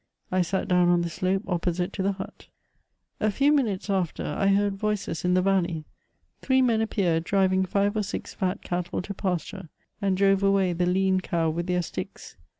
I sat down on the slope opposite to the hut. A few minutes after I heard voices in the valley; three men appeared, driving five or six fat cattle to pasture, and drove away the lean cow with their sticks.